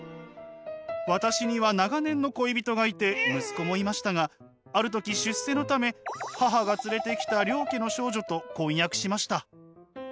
私には長年の恋人がいて息子もいましたがある時出世のため母が連れてきた良家の少女と婚約しました。